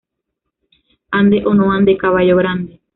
Ande o no ande, caballo grande